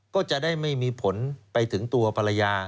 ก็จะได้ไม่มีผลไปถึงตัวภรรยา